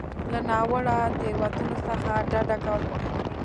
له ناوړه تېروتنو څخه ډډه کول مهم دي.